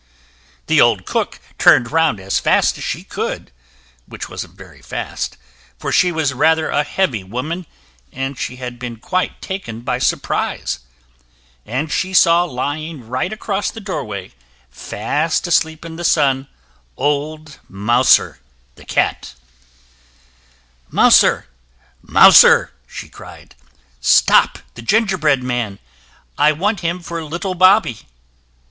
] The old cook turned round as fast as she could, which wasn't very fast, for she was rather a heavy woman and she had been quite taken by surprise, and she saw lying right across the door way, fast asleep in the sun, old Mouser, the cat. "Mouser, Mouser," she cried, "stop the gingerbread man! I want him for little Bobby."